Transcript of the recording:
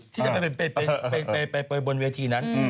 ที่จะไปบนเวทีนั้น